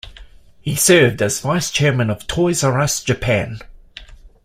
He served as Vice-Chairman of Toys 'R' Us Japan.